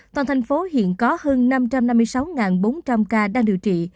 toàn thành phố hiện có hơn năm trăm năm mươi sáu bốn trăm linh ca đang điều trị